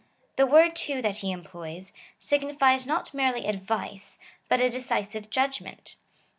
The word, too, that he employs, jvco/jlt], signifies not merely advice, but a decisive judgment.